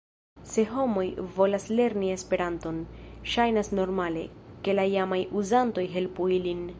Se homoj volas lerni Esperanton, ŝajnas normale, ke la jamaj uzantoj helpu ilin.